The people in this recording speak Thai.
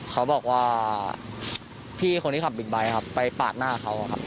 เขาบอกว่าพี่คนที่ขับบิ๊กไบท์ครับไปปาดหน้าเขาครับ